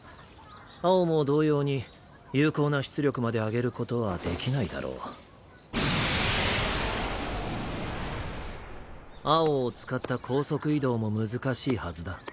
「蒼」も同様に有効な出力まで上げることはできないだろう「蒼」を使った高速移動も難しいはずだ。